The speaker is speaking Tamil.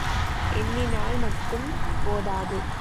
எண்ணினால் மட்டும் போதாது.